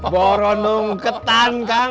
borondong ketan kang